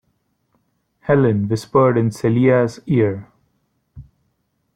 Helene whispered in Celia's ear.